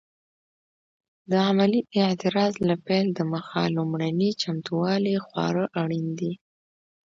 د عملي اعتراض له پیل دمخه لومړني چمتووالي خورا اړین دي.